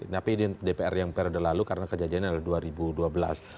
tapi dpr yang periode lalu karena kejadiannya adalah dua ribu dua belas